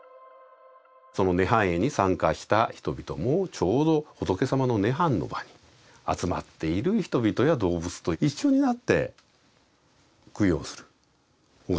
その涅槃会に参加した人々もちょうど仏様の涅槃の場に集まっている人々や動物と一緒になって供養する拝む